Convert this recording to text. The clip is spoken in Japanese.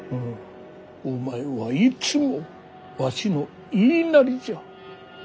お前はいつもわしの言いなりじゃ。